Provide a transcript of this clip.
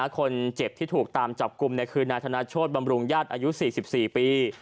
คนเจ็บที่ถูกตามจับกลุ่มคือนายธนโชธบำรุงญาติอายุ๔๔ปี